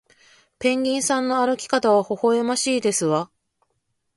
ペンギンさんの歩き方はほほえましいですわ